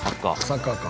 サッカーか。